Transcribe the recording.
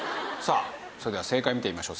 それでは正解見てみましょう。